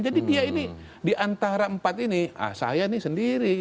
jadi dia ini diantara empat ini saya ini sendiri